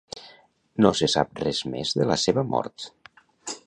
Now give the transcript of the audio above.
No se sap res més de la seva mort.